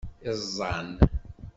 Iẓẓan.